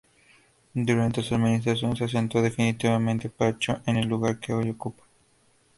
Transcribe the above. Durante su administración se asentó definitivamente Pacho en el lugar que hoy ocupa.